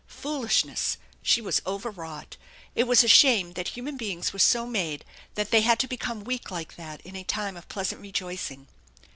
Foolishness ! She was overwrought. It was a shame that human beings were so made that they had to become weak like that in a time of pleasant rejoicing.